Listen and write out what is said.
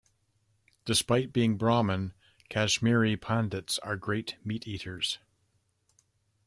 Despite being Brahmin, Kashmiri Pandits are great meat eaters.